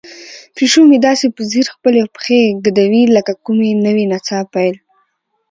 پیشو مې داسې په ځیر خپلې پښې ږدوي لکه د کومې نوې نڅا پیل.